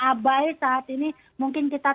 abai saat ini mungkin kita